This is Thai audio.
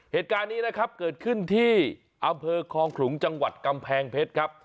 เหตุการณ์นี้นะครับเกิดขึ้นที่อำเภอคลองขลุงจังหวัดกำแพงเพชรครับ